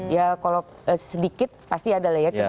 ya kalau sedikit pasti ada layaknya